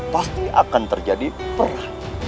pasti akan terjadi perang